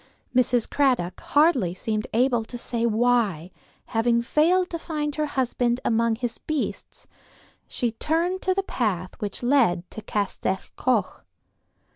Mrs. Cradock hardly seemed able to say why, having failed to find her husband among his beasts, she turned to the path which led to Castell Coch.